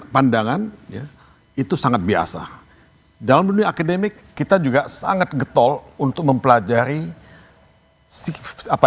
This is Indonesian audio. pandangan ya itu sangat biasa dalam dunia akademik kita juga sangat getol untuk mempelajari siklus apa